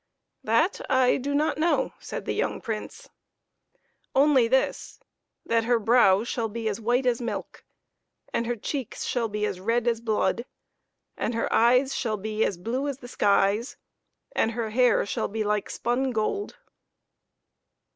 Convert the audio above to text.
"That I do not know," said the young Prince, "only this: that her brow shall be as white as milk, and her cheeks shall be as red as blood, and her eyes shall be as blue as the skies, and her hair shall be like spun gold."